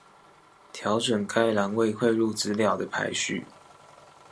調整該欄位匯入資料的排序